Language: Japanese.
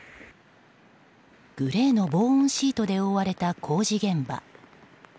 グレーの防音シートで覆われた工事現場。